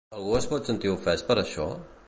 Algú es pot sentir ofès per això?